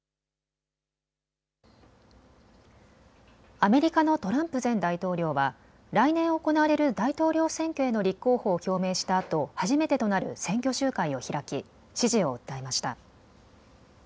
アメリカのトランプ前大統領は来年行われる大統領選挙への立候補を表明したあと初めてとなる選挙集会を開き支持を訴えました。